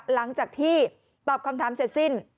หลังจากที่ตอบคำถามเสร็จสิ้น